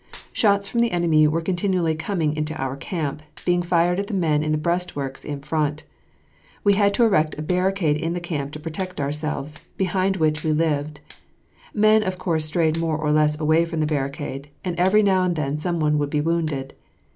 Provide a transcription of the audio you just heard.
Shots from the enemy were continually coming into our camp, being fired at the men in the breastworks in front. We had to erect a barricade in the camp to protect ourselves, behind which we lived. Men of course strayed more or less away from the barricade, and every now and then some one would be wounded.